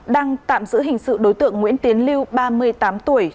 đang tạm giữ hình sự đối tượng nguyễn tiến lưu ba mươi tám tuổi